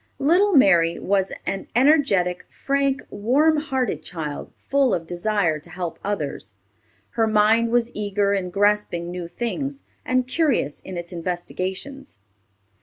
Little Mary was an energetic, frank, warm hearted child, full of desire to help others. Her mind was eager in grasping new things, and curious in its investigations.